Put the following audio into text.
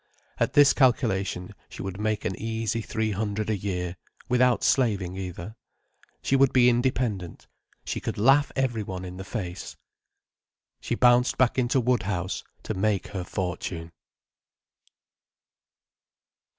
At this calculation she would make an easy three hundred a year, without slaving either. She would be independent, she could laugh every one in the face. She bounced back into Woodhouse to make her fortune.